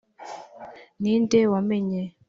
ni nde wamenye